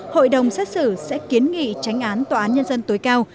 hội đồng xét xử sẽ kiến nghị tránh án tòa án nhân dân tối cao